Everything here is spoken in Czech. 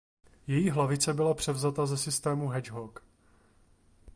Její hlavice byla převzata ze systému Hedgehog.